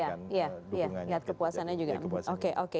dukungannya lihat kepuasannya juga